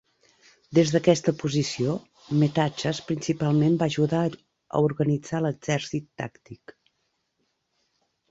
Des d'aquesta posició, Metaxas principalment va ajudar a organitzar l'exèrcit tàctic.